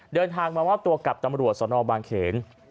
เดินทางมามอบตัวกับตำรวจสนบางเขน